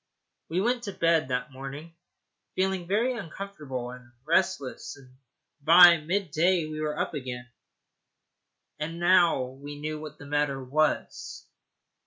We went to bed that morning feeling very uncomfortable and restless, and by mid day we were up again. And now we knew what the matter was.